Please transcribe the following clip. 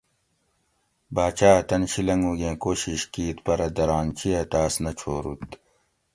باچا اۤ تن شی لنگوگیں کو شیش کیت پٞرہ درانچی اٞ تاس نہ چُھو روت